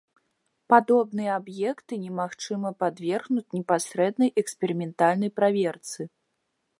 Падобныя аб'екты немагчыма падвергнуць непасрэднай эксперыментальнай праверцы.